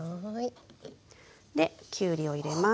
できゅうりを入れます。